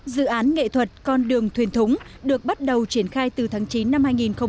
dự án nghệ thuật con đường thuyền thúng được bắt đầu triển khai từ tháng chín năm hai nghìn một mươi